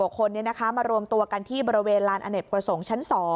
กว่าคนมารวมตัวกันที่บริเวณลานอเนกประสงค์ชั้น๒